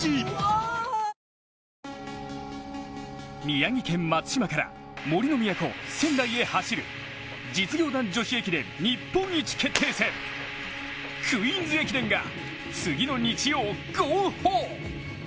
宮城県松島から杜の都・仙台へ走る実業団女子駅伝日本一決定戦、クイーンズ駅伝が次の日曜、号砲。